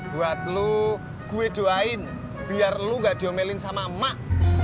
buat lo gue doain biar lu gak diomelin sama emak